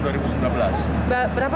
berapa persen bedanya